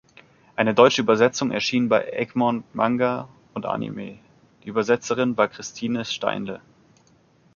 Eine deutsche Übersetzung erschien bei Egmont Manga und Anime, die Übersetzerin war Christine Steinle.